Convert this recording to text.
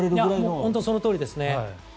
本当にそのとおりですね。